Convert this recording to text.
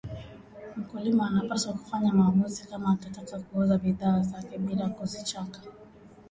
Mkulima anapaswa kufanya maamuzi kama atataka kuuza bidhaa zake bila kuzichaka